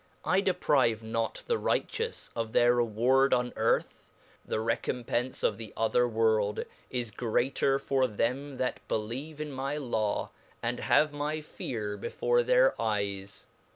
I deprive not the righteous of their re ward on earth, the rccompence of the other world is yet grea ter for them that believe in my Law, and have my fear before their eyes.